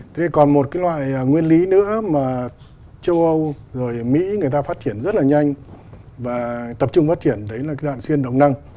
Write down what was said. thế còn một cái loại nguyên lý nữa mà châu âu rồi mỹ người ta phát triển rất là nhanh và tập trung phát triển đấy là cái đạn xuyên động năng